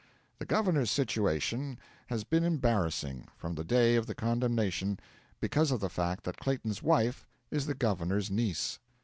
The governor's situation has been embarrassing, from the day of the condemnation, because of the fact that Clayton's wife is the governor's niece.